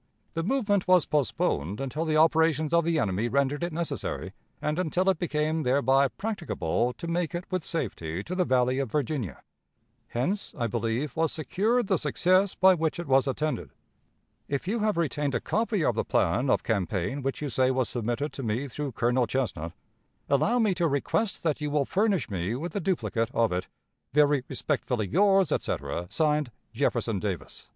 The movement was postponed until the operations of the enemy rendered it necessary, and until it became thereby practicable to make it with safety to the Valley of Virginia. Hence, I believe, was secured the success by which it was attended. "If you have retained a copy of the plan of campaign which you say was submitted to me through Colonel Chesnut, allow me to request that you will furnish me with a duplicate of it." "Very respectfully yours, etc.," (Signed) "Jefferson Davis."